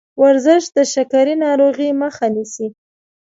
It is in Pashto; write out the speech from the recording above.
ورزش د شکرې ناروغۍ مخه نیسي.